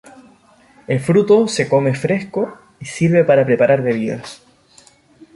El fruto se come fresco y sirve para preparar bebidas.